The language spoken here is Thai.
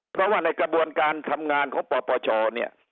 เพราะว่าในกระบวนการทำงานของปปชเนี่ย